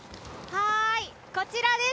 こちらです！